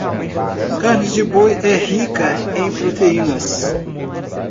Carne de boi é rica em proteínas.